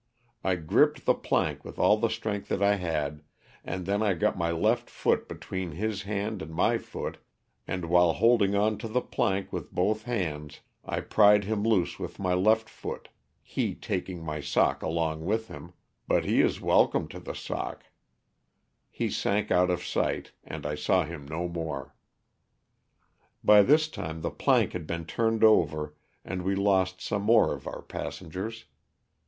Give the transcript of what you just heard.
I gripped the plank with all the strength that I had, and then I got my left foot between his hand and my foot and while holding on to the plank with both hands I pried him loose with my left foot, he taking my sock along with him, but he is welcome to the sock • he sank out of sight and I saw him no more. By this time the plank had been turned over and we lost some more of our passengers.